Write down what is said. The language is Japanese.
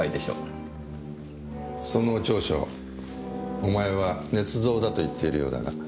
その調書お前は捏造だと言っているようだが。